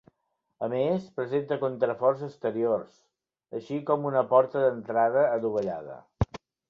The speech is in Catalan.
A més, presenta contraforts exteriors, així com una porta d'entrada adovellada.